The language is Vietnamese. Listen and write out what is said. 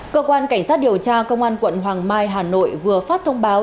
cơ quan cảnh sát điều tra công an quận hoàng mai hà nội vừa phát thông báo